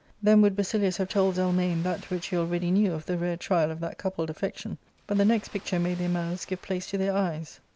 Then would Basilius have told Zelmane that which he already knew of the rare trial of that coupled affection, but the next picture made their mouths give place to their eyes.